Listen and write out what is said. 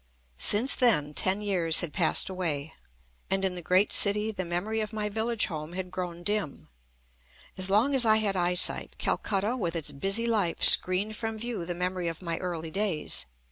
Since then ten years had passed away, and in the great city the memory of my village home had grown dim. As long as I had eyesight, Calcutta with its busy life screened from view the memory of my early days.